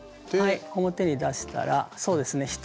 はい表に出したらそうですね